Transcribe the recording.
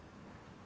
dua tahun kemudian